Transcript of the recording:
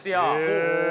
ほう。